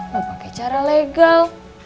memakai cara legal